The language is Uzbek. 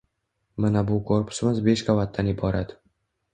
Mana bu korpusimiz besh qavatdan iborat.